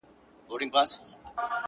نن هغه توره د ورور په وينو سره ده.!